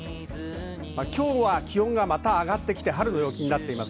今日は気温が上がって春の陽気になっています。